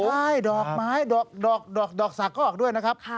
ใช่ดอกไม้ดอกสักก็ออกด้วยนะครับ